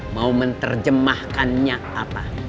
mau menerjemahkannya apa